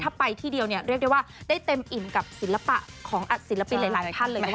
ถ้าไปที่เดียวเนี่ยเรียกได้ว่าได้เต็มอิ่มกับศิลปะของศิลปินหลายท่านเลยนะคะ